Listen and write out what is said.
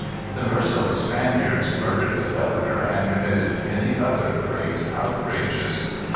The merciless Spaniards murdered the governor, and committed many other great outrages.